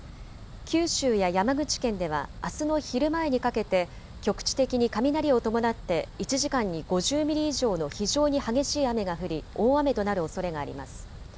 九州や山口県ではあすの昼前にかけて局地的に雷を伴って１時間に５０ミリ以上の非常に激しい雨が降り大雨となるおそれがあります。